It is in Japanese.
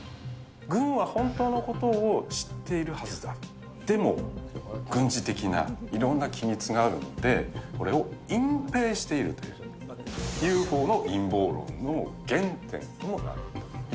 軍は本当のことを知っているはずだ、でも、軍事的ないろんな機密があるんで、これを隠蔽しているというＵＦＯの陰謀論の原点にもなると。